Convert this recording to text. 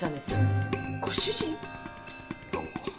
どうも。